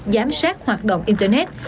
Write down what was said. giám sát hoạt động internet